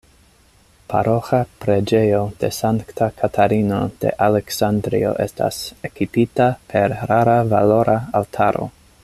Paroĥa preĝejo de Sankta Katarino de Aleksandrio estas ekipita per rara valora altaro.